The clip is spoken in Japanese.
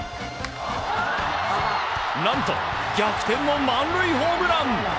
何と逆転の満塁ホームラン。